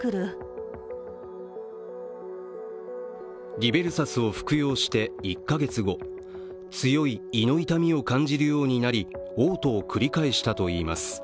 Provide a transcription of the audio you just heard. リベルサスを服用して１か月後強い胃の痛みを感じるようになりおう吐を繰り返したといいます。